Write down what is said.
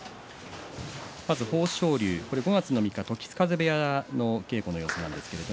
まず豊昇龍、５月３日時津風部屋の稽古の様子です。